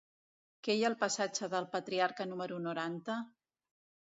Què hi ha al passatge del Patriarca número noranta?